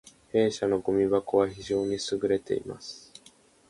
弊社のごみ箱は非常に優れています